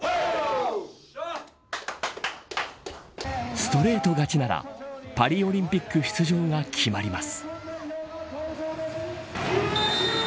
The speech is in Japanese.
ストレート勝ちならパリオリンピック出場が決まります。